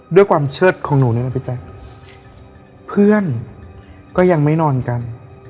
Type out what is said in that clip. ด้วยความเชิดของหนูเนี่ยนะพี่แจ๊คเพื่อนก็ยังไม่นอนกัน